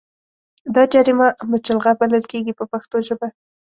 دا جریمه مچلغه بلل کېږي په پښتو ژبه.